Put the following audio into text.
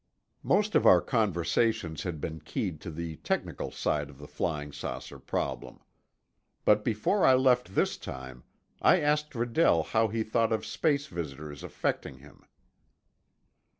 Most of our conversations had been keyed to the technical side of the flying saucer problem. But before I left this time, I asked Redell how the thought of space visitors affected him.